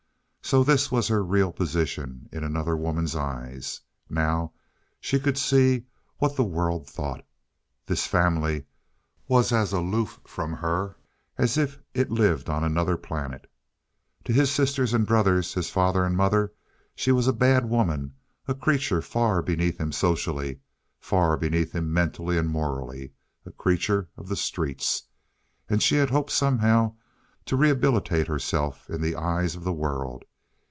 So this was her real position in another woman's eyes. Now she could see what the world thought. This family was as aloof from her as if it lived on another planet. To his sisters and brothers, his father and mother, she was a bad woman, a creature far beneath him socially, far beneath him mentally and morally, a creature of the streets. And she had hoped somehow to rehabilitate herself in the eyes of the world.